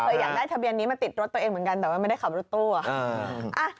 อยากได้ทะเบียนนี้มาติดรถตัวเองเหมือนกันแต่ว่าไม่ได้ขับรถตู้อ่ะ